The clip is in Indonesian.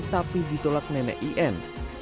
tapi ditolak nenek in